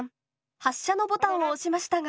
発射のボタンを押しましたが。